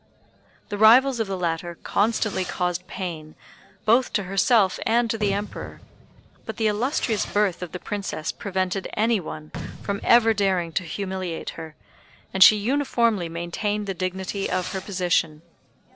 The rivals of the latter constantly caused pain both to herself and to the Emperor; but the illustrious birth of the Princess prevented any one from ever daring to humiliate her, and she uniformly maintained the dignity of her position.